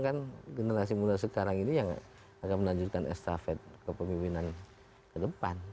kan generasi muda sekarang ini yang akan melanjutkan estafet kepemimpinan ke depan